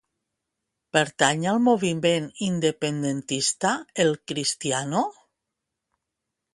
Pertany al moviment independentista el Cristiano?